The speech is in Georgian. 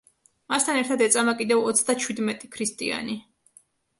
მასთან ერთად ეწამა კიდევ ოცდაჩვიდმეტი ქრისტიანი.